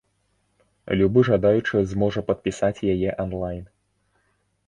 Любы жадаючы зможа падпісаць яе анлайн.